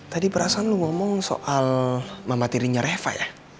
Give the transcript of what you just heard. tadi perasaan lu ngomong soal mama tirinya reva ya